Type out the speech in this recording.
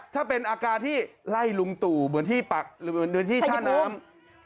ถ้าเป็นอาการที่ไล่ลุงตูเหมือนที่ท่าน้ำ